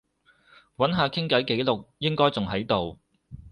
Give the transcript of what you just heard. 揾下傾偈記錄，應該仲喺度